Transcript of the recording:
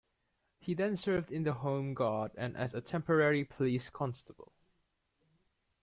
He then served in the Home Guard and as a temporary police constable.